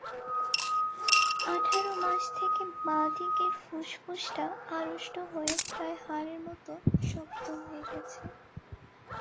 আঠারো মাস থেকে বাঁ-দিকের ফুসফুসটা আড়ষ্ট হয়ে প্রায় হাড়ের মতো শক্ত হয়ে গেছে।